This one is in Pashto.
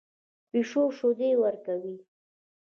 پیشو شیدې ورکوي